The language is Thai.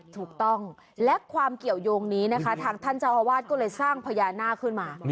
ถูกต้องและความเกี่ยวยงนี้นะคะทางท่านเจ้าอาวาสก็เลยสร้างพญานาคขึ้นมา